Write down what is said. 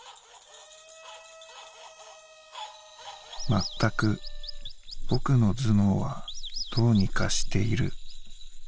「全く僕の頭脳はどうにかしている。